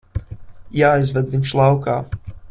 Jāizved viņš laukā.